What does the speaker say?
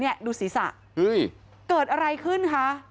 นี่ดูสิศะเกิดอะไรขึ้นคะ